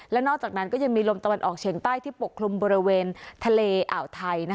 และนอกจากนั้นก็ยังมีลมตะวันออกเฉียงใต้ที่ปกคลุมบริเวณทะเลอ่าวไทย